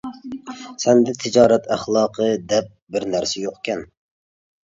سەندە تىجارەت ئەخلاقى دەپ بىر نەرسە يوقكەن.